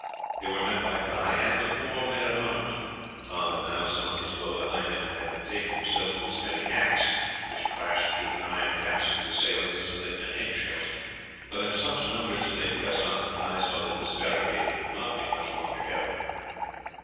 They were met by Guy and the four men at arms. Tom had now slung his bow behind him and had betaken himself to his heavy axe, which crashed through the iron caps of the assailants as though they had been eggshells. But in such numbers did they press on that Guy saw that this barricade could not be much longer held.